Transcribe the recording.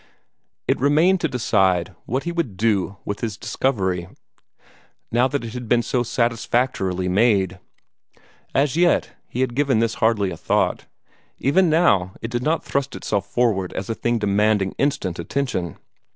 It remained to decide what he would do with his discovery, now that it had been so satisfactorily made. As yet, he had given this hardly a thought. Even now, it did not thrust itself forward as a thing demanding instant attention.